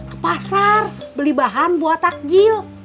ke pasar beli bahan buat takjil